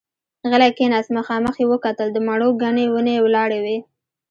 غلی کېناست، مخامخ يې وکتل، د مڼو ګنې ونې ولاړې وې.